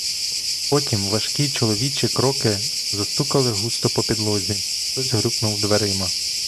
Потім важкі чоловічі кроки застукали густо по підлозі, хтось грюкнув дверима.